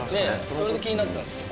それで気になったんすよ